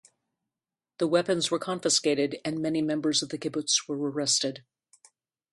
The weapons were confiscated, and many members of the kibbutz were arrested.